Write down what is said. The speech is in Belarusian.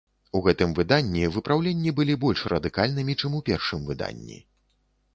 У гэтым выданні выпраўленні былі больш радыкальнымі, чым у першым выданні.